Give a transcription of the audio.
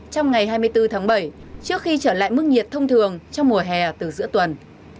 trong ngày hai mươi bốn tháng bảy trước khi trở lại mức nhiệt thông thường trong mùa hè từ giữa tuần